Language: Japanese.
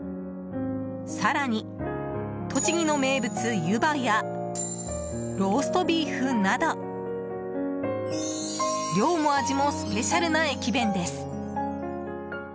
更に、栃木の名物・湯波やローストビーフなど量も味もスペシャルな駅弁です。